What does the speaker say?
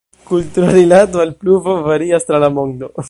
Kultura rilato al pluvo varias tra la mondo.